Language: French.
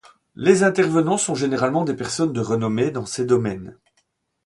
Les intervenants sont généralement des personnes de renommée dans ces domaines.